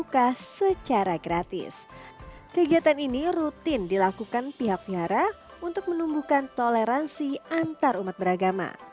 kegiatan ini rutin dilakukan pihak wihara untuk menumbuhkan toleransi antar umat beragama